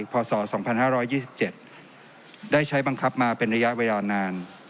พศ๒๕๒๗ได้ใช้บังคับมาเป็นระยะเวลานาน